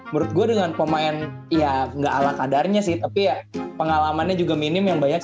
menurut gue dengan pemain ya gak ala kadarnya sih tapi ya pengalamannya juga minim yang banyak